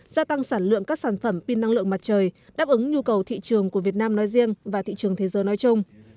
gia tăng sản lượng các sản phẩm pin năng lượng mặt trời đáp ứng nhu cầu thị trường của việt nam nói riêng và thị trường thế giới nói chung